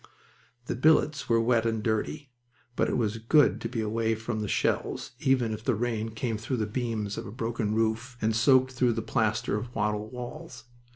The billets were wet and dirty. But it was good to be away from the shells, even if the rain came through the beams of a broken roof and soaked through the plaster of wattle walls.